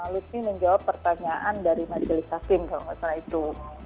lutfi menjawab pertanyaan dari majelis hakim kalau nggak salah itu